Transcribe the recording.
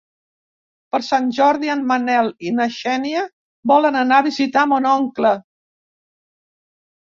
Per Sant Jordi en Manel i na Xènia volen anar a visitar mon oncle.